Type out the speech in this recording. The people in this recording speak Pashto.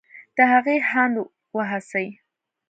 د هغې هاند و هڅې